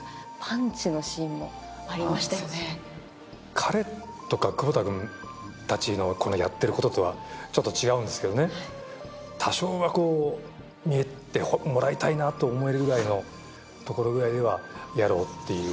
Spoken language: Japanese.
彼とか窪田君たちのやってることとは違うんですけどね、多少は見てもらいたいなというぐらいのところではやろうという。